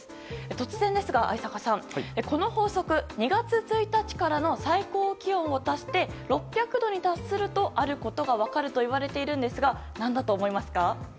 突然ですが、逢坂さんこの法則２月１日からの最高気温を足して６００度に達すると、あることが分かるといわれているんですが何だと思いますか？